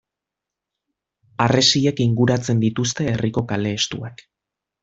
Harresiek inguratzen dituzte herriko kale estuak.